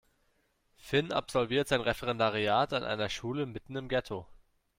Finn absolviert sein Referendariat an einer Schule mitten im Ghetto.